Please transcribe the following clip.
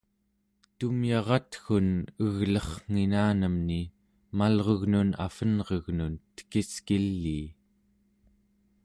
tumyaratgun eglerrnginanemni malrugnun avvenregnun tekiskilii